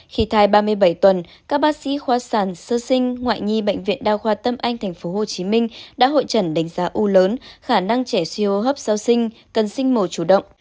khi thai ba mươi bảy tuần các bác sĩ khoa sản sơ sinh ngoại nhi bệnh viện đa khoa tâm anh tp hcm đã hội trần đánh giá u lớn khả năng trẻ siêu hô hấp sơ sinh cần sinh mổ chủ động